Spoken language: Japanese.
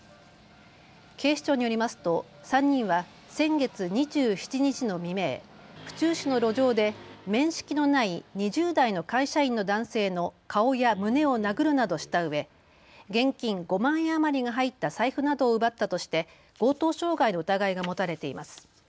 警視庁によりますと、３人は先月２７日の未明、府中市の路上で面識のない２０代の会社員の男性の顔や胸を殴るなどしたうえ現金５万円余りが入った財布などを奪ったとして強盗傷害の疑いが持たれています。